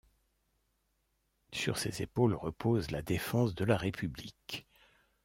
Sur ses épaules repose la défense de la République.